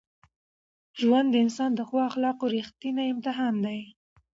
ژوند د انسان د اخلاقو رښتینی امتحان دی.